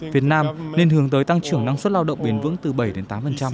việt nam nên hướng tới tăng trưởng năng suất lao động bền vững từ bảy đến tám